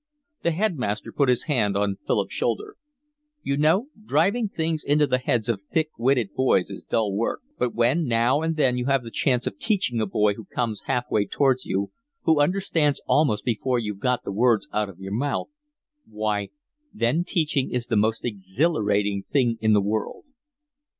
The headmaster put his hand on Philip's shoulder. "You know, driving things into the heads of thick witted boys is dull work, but when now and then you have the chance of teaching a boy who comes half way towards you, who understands almost before you've got the words out of your mouth, why, then teaching is the most exhilarating thing in the world."